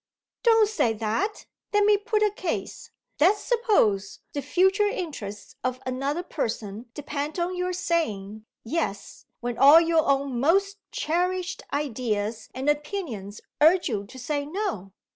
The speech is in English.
"Don't say that! Let me put a case. Let's suppose the future interests of another person depend on your saying, Yes when all your own most cherished ideas and opinions urge you to say, No.